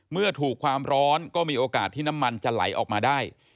เมื่อถูกความร้อนก็มีโอกาสที่น้ำมันจะไหลออกมาได้